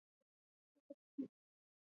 قناعت انسان غني کوي.